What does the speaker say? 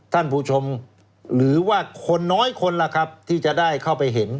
ท่านผู้ชมหรือว่าคนน้อยคนล่ะครับที่จะได้เข้าไปเห็น